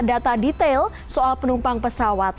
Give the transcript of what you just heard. data detail soal penumpang pesawat